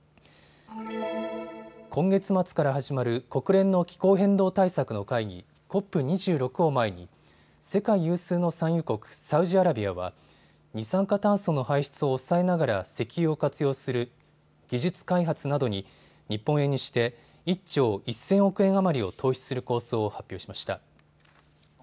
今月末から始まる国連の気候変動対策の会議、ＣＯＰ２６を前に世界有数の産油国サウジアラビアは二酸化炭素の排出を抑えながら石油を活用する技術開発などに日本円にして１兆１０００億円余りを投資する構想を発表しました。